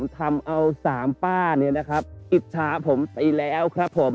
ทำเอาสามป้าเนี่ยนะครับอิจฉาผมไปแล้วครับผม